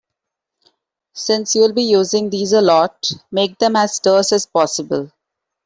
Since you'll be using these a lot, make them as terse as possible.